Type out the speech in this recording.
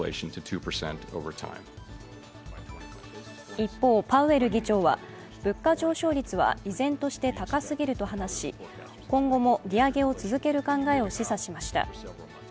一方、パウエル議長は物価上昇率は依然として高すぎると話し、今後も利上げを続ける考えを示唆しました。